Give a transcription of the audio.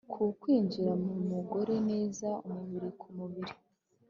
ku kwinjira mu mugore neza umubiri ku mubiri